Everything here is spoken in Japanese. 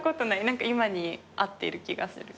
何か今に合ってる気がする。